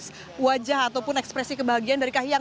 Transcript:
nampaknya itu menghapus wajah ataupun ekspresi kebahagiaan dari kahyang